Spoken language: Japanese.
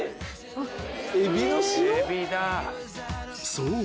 ［そう。